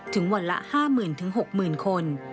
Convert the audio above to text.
ถึงวันละ๕๐๐๐๖๐๐๐คน